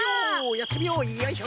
やってみようよいしょい。